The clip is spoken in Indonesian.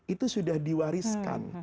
itu sudah diwariskan